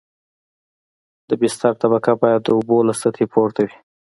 د بستر طبقه باید د اوبو له سطحې پورته وي